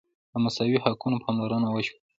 د مساوي حقونو پاملرنه وشوه.